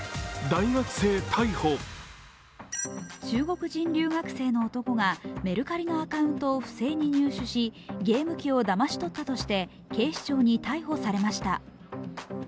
中国人留学生の男がメルカリのアカウントを不正に入手し、ゲーム機をだまし取ったとして警視庁に逮捕されました。